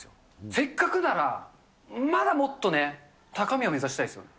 せっかくなら、まだもっとね、高みを目指したいです。